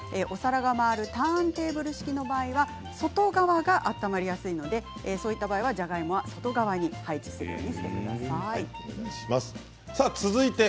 お皿が回るターンテーブル式の場合は外側が温まりやすいのでそういった場合はじゃがいもは外側に配置するようにしてください。